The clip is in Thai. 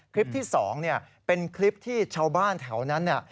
คลิปที่๒เป็นคลิปที่ชาวบ้านแถวนั้น